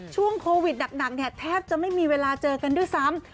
ช่วงโควิดหนักเนี่ยแทบจะไม่มีเวลาเจอกันด้วยซ้ำ